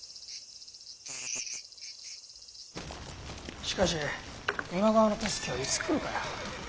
しかし今川の助けはいつ来るかや。